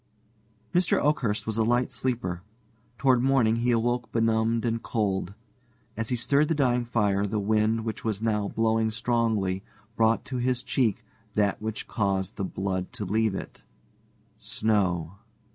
Mr. Oakhurst was a light sleeper. Toward morning he awoke benumbed and cold. As he stirred the dying fire, the wind, which was now blowing strongly, brought to his cheek that which caused the blood to leave it snow!